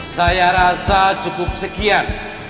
saya rasa cukup sekian